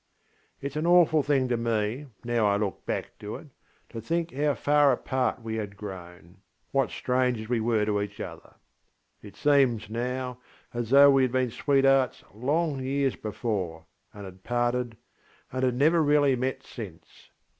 ŌĆÖ ItŌĆÖs an awful thing to me, now I look back to it, to think how far apart we had grown, what strangers we were to each other. It seems, now, as though we had been sweethearts long years before, and had parted, and had never really met since.